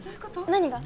何が？